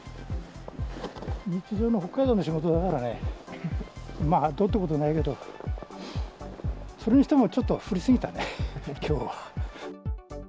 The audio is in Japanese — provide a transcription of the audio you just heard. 日常の北海道の仕事だからね、まあどうってことないけど、それにしてもちょっと降りすぎたね、きょうは。